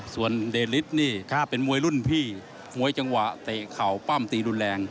ส่วนเดริสนี่ถ้าเป็นมวยรุ่นพี่มวยจังหวะเตะเข่าปั้มตีรุนแรง